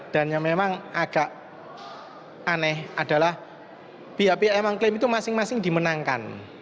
dan yang memang agak aneh adalah pihak pihak yang memang klaim itu masing masing dimenangkan